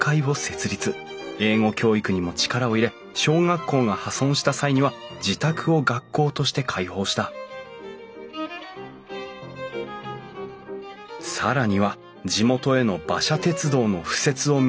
英語教育にも力を入れ小学校が破損した際には自宅を学校として開放した更には地元への馬車鉄道の敷設を目指し